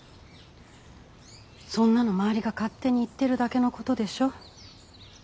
そんなの周りが勝手に言ってるだけのことでしょ。